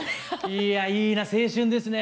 いやいいな青春ですね。